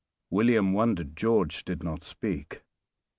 William wondered George did not speak.